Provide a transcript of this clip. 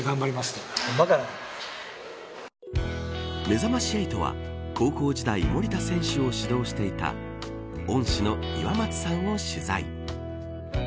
めざまし８は、高校時代守田選手を指導していた恩師の岩松さんを取材。